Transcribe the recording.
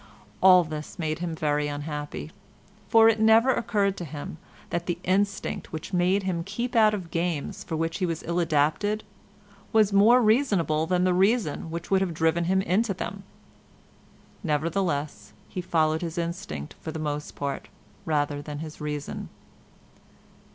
All this made him very unhappy, for it never occurred to him that the instinct which made him keep out of games for which he was ill adapted, was more reasonable than the reason which would have driven him into them. Nevertheless he followed his instinct for the most part, rather than his reason.